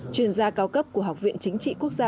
chuyên gia cao cấp của học viện chính trị quốc gia